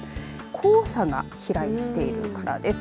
黄砂が飛来しているからです。